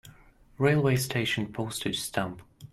Railway station Postage stamp.